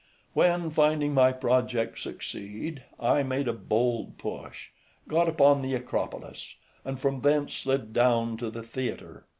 When, finding my project succeed, I made a bold push, got upon the Acropolis {166a} and from thence slid down to the theatre.